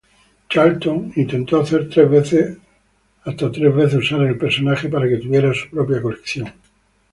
Charlton intentó hasta tres veces usar el personaje para que tuviera su propia colección.